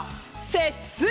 節水。